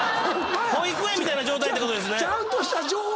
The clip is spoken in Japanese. ⁉保育園みたいな状態ってことですね。